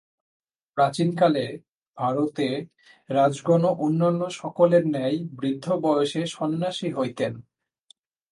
প্রাচীনকালে ভারতে রাজগণও অন্যান্য সকলের ন্যায় বৃদ্ধ বয়সে সন্ন্যাসী হইতেন।